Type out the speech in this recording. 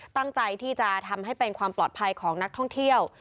ตั้งใจที่จะทำให้เป็นความปลอดภัยของนักท่องเที่ยว